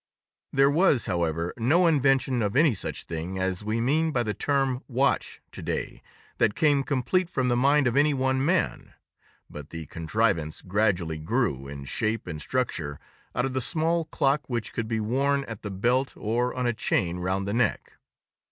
_] There was, however, no invention of any such thing as we mean by the term watch to day that came complete from the mind of any one man, but the contrivance gradually grew, in shape and structure out of the small clock which could be worn at the belt or on a chain round the neck.